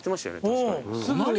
確かに。